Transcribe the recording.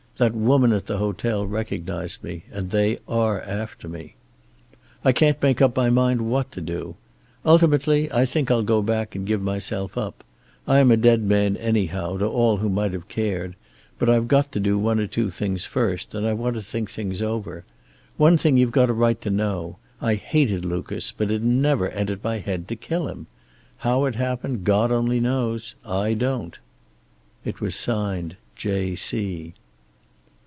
That woman at the hotel recognized me, and they are after me. "I can't make up my mind what to do. Ultimately I think I'll go back and give myself up. I am a dead man, anyhow, to all who might have cared, but I've got to do one or two things first, and I want to think things over. One thing you've got a right to know. I hated Lucas, but it never entered my head to kill him. How it happened God only knows. I don't." It was signed "J. C."